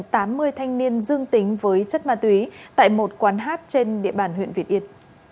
tám mươi thanh niên dương tính với chất ma túy tại một quán hát trên địa bàn huyện việt yên